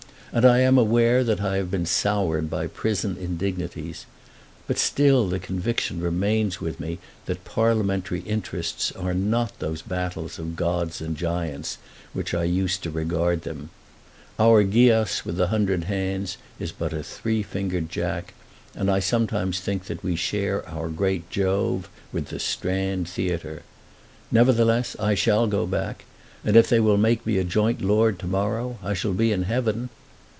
And I am aware that I have been soured by prison indignities. But still the conviction remains with me that parliamentary interests are not those battles of gods and giants which I used to regard them. Our Gyas with the hundred hands is but a Three fingered Jack, and I sometimes think that we share our great Jove with the Strand Theatre. Nevertheless I shall go back, and if they will make me a joint lord to morrow I shall be in heaven!